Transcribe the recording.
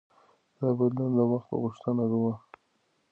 دا بدلون د وخت غوښتنه وه.